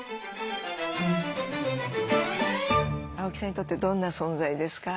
青木さんにとってどんな存在ですか？